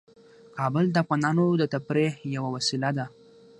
کابل د افغانانو د تفریح یوه وسیله ده.